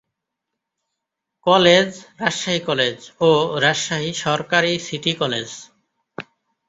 College -Rajshahi college ও রাজশাহী সরকারি city college.